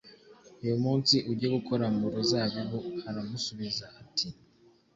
uyu munsi ujye gukora mu ruzabibu aramusubiza ati